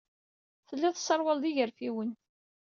Telliḍ tesserwaleḍ igerfiwen.